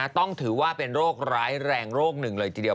ต้องถือว่าเป็นโรคร้ายแรงโรคหนึ่งเลยทีเดียว